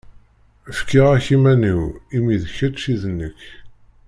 Fkiɣ-ak iman-iw imi d kečč i d nekk.